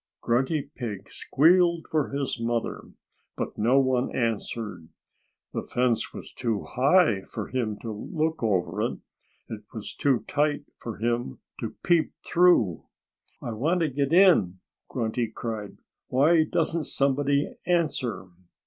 Grunty Pig squealed for his mother. But no one answered. The fence was too high for him to look over it. It was too tight for him to peep through. "I want to get in!" Grunty cried. "Why doesn't somebody answer?"